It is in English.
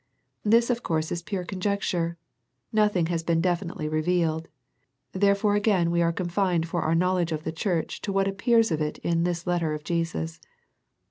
This of course is pure conjec ture. Nothing has been definitely revealed, therefore again we are confined for our knowl edge of the church to what appears of it in this letter of Jesus.